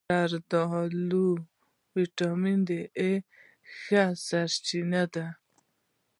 زردآلو د ویټامین A ښه سرچینه ده.